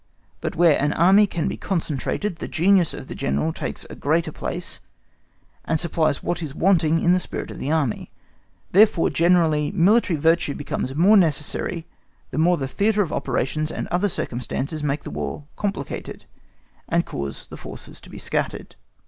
But where an Army can be kept concentrated, the genius of the General takes a greater place, and supplies what is wanting in the spirit of the Army. Therefore generally military virtue becomes more necessary the more the theatre of operations and other circumstances make the War complicated, and cause the forces to be scattered.